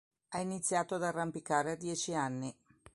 Ha iniziato ad arrampicare a dieci anni.